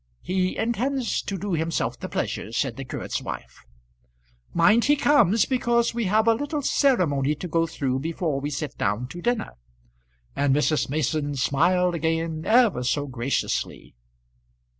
"He intends to do himself the pleasure," said the curate's wife. "Mind he comes, because we have a little ceremony to go through before we sit down to dinner," and Mrs. Mason smiled again ever so graciously.